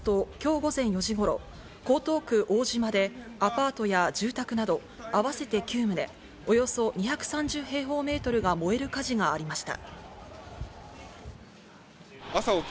警視庁などによりますと今日午前４時頃、江東区大島でアパートや住宅など合わせて９棟、およそ２３０平方メートルが燃える火事がありました。